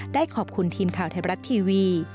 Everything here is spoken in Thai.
ได้ขอบคุณทีมข่าวไทยรัฐทีวี